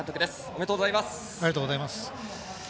おめでとうございます。